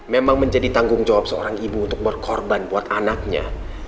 memang menjadi tanggung jawab seorang ibu untuk berkorban buat anaknya